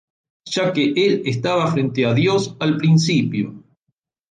Ya que Él estaba frente a Dios al principio.